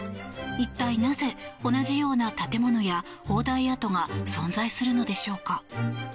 一体なぜ同じような建物や砲台跡が存在するのでしょうか。